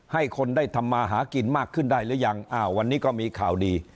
ให้คนได้ทำมาหากินมากขึ้นได้หรือยังอ้าววันนี้ก็มีข่าวดี